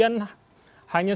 hanya sebagian dari itu